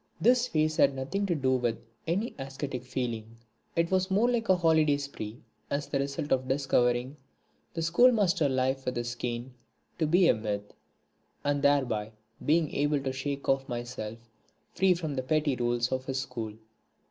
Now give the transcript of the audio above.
This phase had nothing to do with any ascetic feeling. It was more like a holiday spree as the result of discovering the schoolmaster Life with his cane to be a myth, and thereby being able to shake myself free from the petty rules of his school.